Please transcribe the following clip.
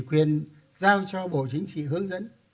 có quyền giao cho bộ chính trị hướng dẫn